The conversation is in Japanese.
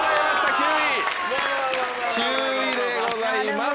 ９位でございます。